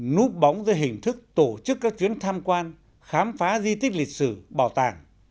núp bóng dưới hình thức tổ chức các chuyến tham quan khám phá di tích lịch sử bảo tàng